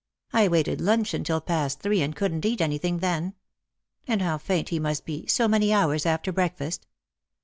I waited luncheon till past three, and couldn't eat anything then. And how faint he must be — so many hours after breakfast